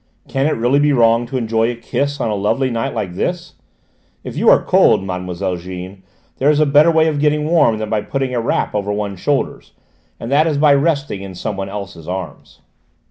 "Can it really be wrong to enjoy a kiss, on a lovely night like this? If you are cold, Mademoiselle Jeanne, there is a better way of getting warm than by putting a wrap over one's shoulders: and that is by resting in someone else's arms."